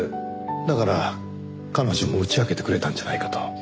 だから彼女も打ち明けてくれたんじゃないかと。